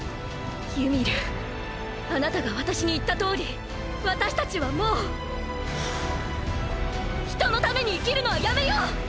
ユミルあなたが私に言ったとおり私たちはもう人のために生きるのはやめよう！！